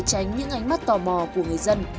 tránh những ánh mắt tò mò của người dân